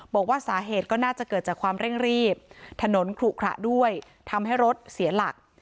บอกว่าสาเหตุก็น่าจะเกิดจากความเร่งรีบถนนขลุขระด้วยทำให้รถเสียหลัก